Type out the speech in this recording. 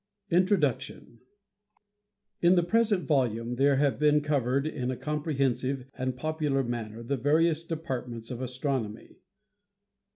INTRODUCTION In the present volume there have been covered in a comprehensive and popular manner the various depart ments of Astronomy.